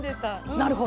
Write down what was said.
なるほど。